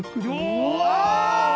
うわ！